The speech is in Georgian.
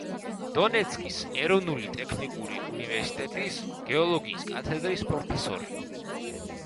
დონეცკის ეროვნული ტექნიკური უნივერსიტეტის გეოლოგიის კათედრის პროფესორი.